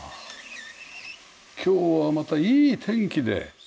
今日はまたいい天気で。